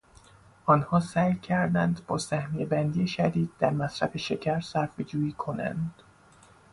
آنها سعی کردند با سهمیه بندی شدید، در مصرف شکر صرفهجویی کنند.